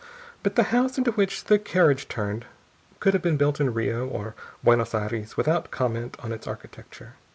But the house into which the carriage turned could have been built in Rio or Buenos Aires without comment on its architecture.